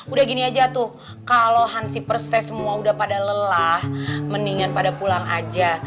udah gini aja tuh kalau hansiper state semua udah pada lelah mendingan pada pulang aja